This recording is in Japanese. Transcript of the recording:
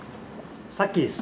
さっきです。